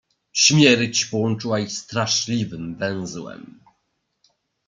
"Śmierć połączyła ich straszliwym węzłem."